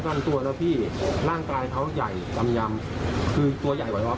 ไม่เราเราไปว่าพี่เมย์ไม่ได้หรอก